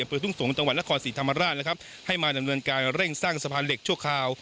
อำเติบทุ่งสงค์ตะวันละคร๔ธรรมราชให้มาดำเนินการเร่งสร้างสะพานเหล็กชั่วคาว